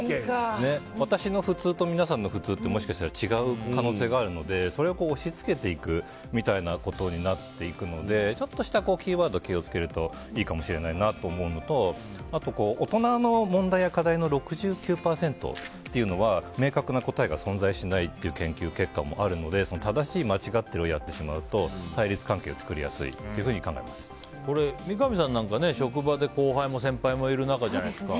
私の普通と皆さんの普通は違う可能性があるので、それを押し付けていくみたいなことになっていくのでちょっとしたキーワードを気を付けるといいかもしれないなと思うのとあと、大人の問題や課題の６９％というのは明確な答えが存在しないという研究結果もあるので正しい間違いをやってしまうと三上さんなんか職場で先輩も後輩もいるわけじゃないですか。